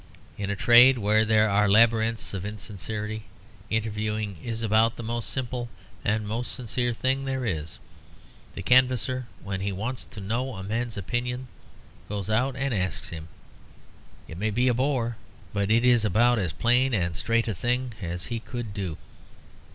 In a trade where there are labyrinths of insincerity, interviewing is about the most simple and the most sincere thing there is. The canvasser, when he wants to know a man's opinions, goes and asks him. It may be a bore; but it is about as plain and straight a thing as he could do.